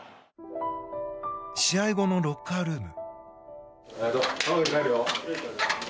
試合後のロッカールーム。